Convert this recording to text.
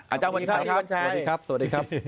อาจารย์วันชัยครับสวัสดีครับสวัสดีครับ